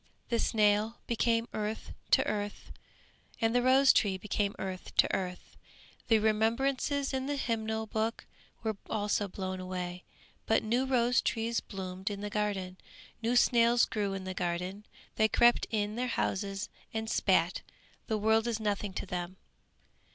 The snail became earth to earth and the rose tree became earth to earth; the remembrances in the hymn book were also blown away but new rose trees bloomed in the garden, new snails grew in the garden; they crept in their houses and spat. The world is nothing to them.